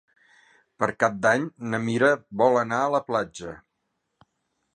Per Cap d'Any na Mira vol anar a la platja.